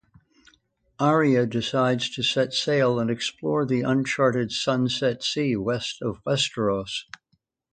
Arya decides to set sail and explore the uncharted Sunset Sea west of Westeros.